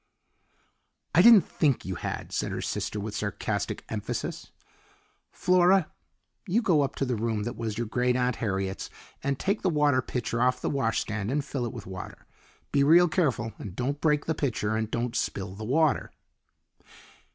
"I didn't think you had," said her sister with sarcastic emphasis. "Flora, you go up to the room that was your Great aunt Harriet's, and take the water pitcher off the wash stand and fill it with water. Be real careful, and don't break the pitcher, and don't spill the water."